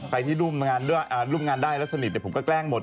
ไปที่ร่วมงานได้แล้วสนิทเดี๋ยวผมก็แกล้งหมด